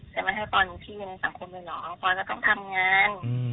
จะมาให้ตอนที่ในสังคมหรือหรอเพราะว่าเราต้องทำงานอืม